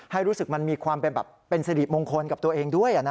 ให้รู้สึกมันมีความเป็นสิริมงคลกับตัวเองด้วย